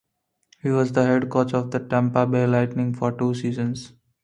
He was the head coach of the Tampa Bay Lightning for two seasons.